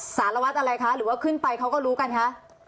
สารวัตรอะไรคะหรือว่าขึ้นไปเขาก็รู้กันคะ